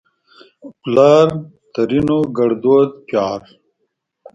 پلار؛ ترينو ګړدود پيار